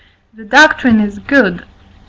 The doctrine is good, 1.